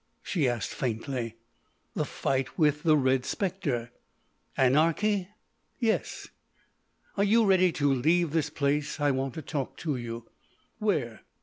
she asked faintly. "The fight with the Red Spectre." "Anarchy?" "Yes.... Are you ready to leave this place? I want to talk to you." "Where?"